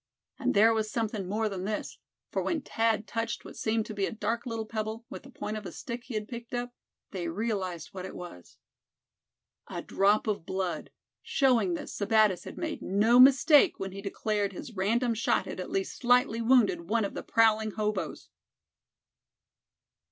And there was something more than this; for when Thad touched what seemed to be a little dark pebble, with the point of a stick he had picked up, they realized what it was. A drop of blood, showing that Sebattis had made no mistake when he declared his random shot had at least slightly wounded one of the prowling hoboes!